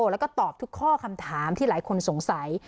แล้วก็ตอบทุกข้อคำถามที่หลายคนสงสัย